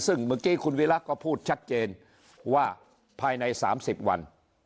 ซึ่งเมื่อกี้คุณวิรักษ์ก็พูดชัดเจนว่าภายใน๓๐วัน